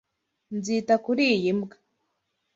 Nzita kuri iyi mbwa.